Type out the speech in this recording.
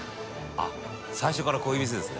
あっ最初からこういう店ですね。